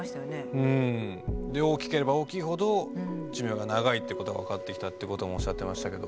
うん大きければ大きいほど寿命が長いってことが分かってきたってこともおっしゃってましたけど。